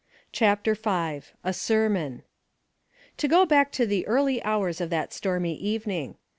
CHAPTER V. A SERMON. go back to the earlj^ hours of that stormy evening.